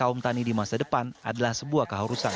karena pemuda tani di masa depan adalah sebuah keharusan